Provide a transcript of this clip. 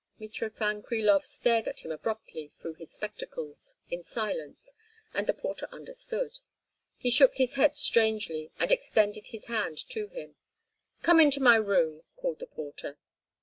Mitrofan Krilov stared at him abruptly through his spectacles, in silence, and the porter understood: he shook his head strangely and extended his hand to him. "Come in to my room," called the porter.